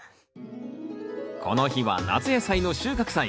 この日は夏野菜の収穫祭。